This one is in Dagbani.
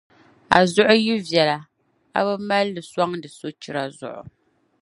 A zuɣu yi viɛla, a bi mal’ li sɔŋdi sochira zuɣu.